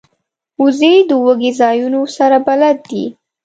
وزې د دوږی ځایونو سره بلد دي